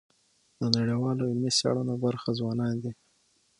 د نړیوالو علمي څېړنو برخه ځوانان دي.